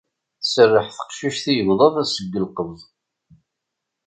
Tserreḥ teqcict i yigḍaḍ seg lqefs.